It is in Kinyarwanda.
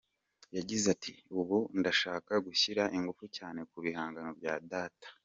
Yagize ati “Ubu ndashaka gushyira ingufu cyane ku bihangano bya data.